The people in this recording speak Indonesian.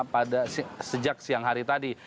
pada sejak siang hari tadi